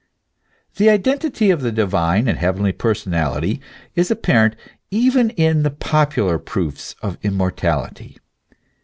The identity of the divine and heavenly personality is appa rent even in the popular proofs of immortality.